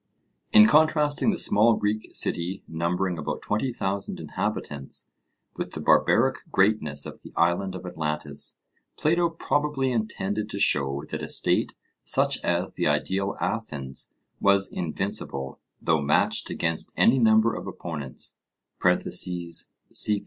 In contrasting the small Greek city numbering about twenty thousand inhabitants with the barbaric greatness of the island of Atlantis, Plato probably intended to show that a state, such as the ideal Athens, was invincible, though matched against any number of opponents (cp.